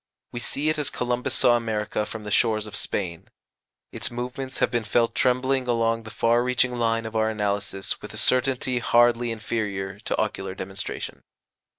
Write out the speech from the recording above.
We see it as Columbus saw America from the shores of Spain. Its movements have been felt trembling along the far reaching line of our analysis with a certainty hardly inferior to ocular demonstration."